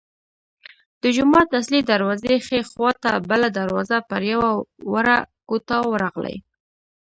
د جومات اصلي دروازې ښي خوا ته بله دروازه پر یوه وړه کوټه ورغلې.